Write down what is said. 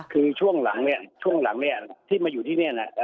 คือช่วงหลังเนี่ยช่วงหลังเนี่ยที่มาอยู่ที่นี่นะ